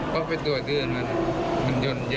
ก็ไปตรวจชื่อมันมันยนต์เยอะ